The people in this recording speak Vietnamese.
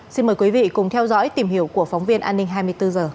xin mời quý vị cùng theo dõi tìm hiểu của phóng viên an ninh hai mươi bốn h